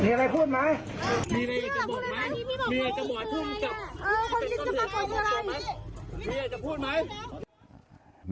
มีอะไรพูดไหมมีอะไรพูดไหมมีอะไรพูดไหม